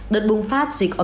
đợt bùng phát dịch omicron